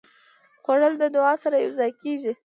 خوړل د دعا سره یوځای کېږي